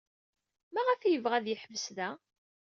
Maɣef ay yebɣa ad yeḥbes da?